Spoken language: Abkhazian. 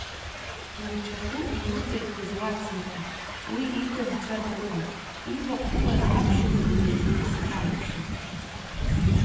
Унцәахәы иуҵаиҳәаз уацныҟәа. Уи ида, нцәа дыҟам. Иваҟәылара аԥшьызгогьы урызхьамԥшын.